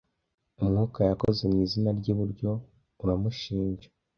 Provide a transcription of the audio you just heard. umwuka yakoze mwizina ryiburyo uramushinja